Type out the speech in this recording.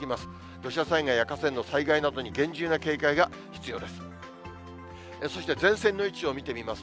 土砂災害や河川の災害などに厳重な警戒が必要です。